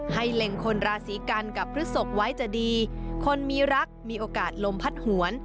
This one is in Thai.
เล็งคนราศีกันกับพฤศพไว้จะดีคนมีรักมีโอกาสลมพัดหวน